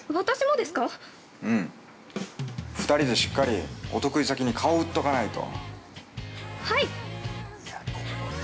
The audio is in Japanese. ◆うん、２人でしっかりお得意先に顔売っとかないと。